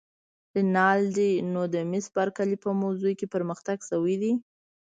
رینالډي: نو د مس بارکلي په موضوع کې پرمختګ شوی دی؟